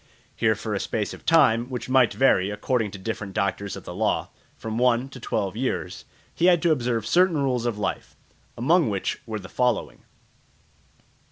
Here for a space of time, which might vary, according to different doctors of the law, from one to twelve years, he had to observe certain rules of life, among which were the following.